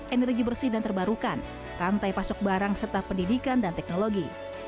energi bersih dan terbarukan rantai pasok barang serta pendidikan dan teknologi